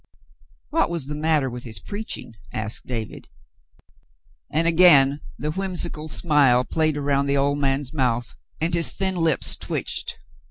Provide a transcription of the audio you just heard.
"What was the matter with his preaching.'^" asked David, and again the whimsical smile played around the old man's mouth, and his thin lips twitched.